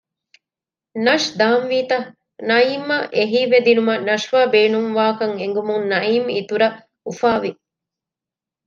ނަޝް ދާންވީ ތަ؟ ނައީމްއަށް އެހީވެދިނުމަށް ނަޝްވާ ބޭނުންވާކަން އެނގުމުން ނައީމް އިތުރަށް އުފާވި